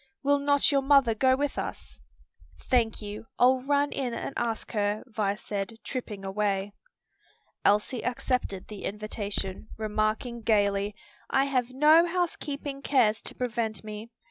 Will not your mother go with us?" "Thank you; I'll run in and ask her," Vi said, tripping away. Elsie accepted the invitation, remarking gayly, "I have no housekeeping cares to prevent me.